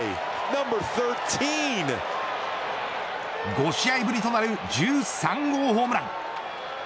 ５試合ぶりとなる１３号ホームラン。